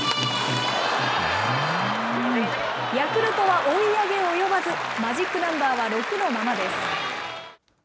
ヤクルトは追い上げ及ばず、マジックナンバーは６のままです。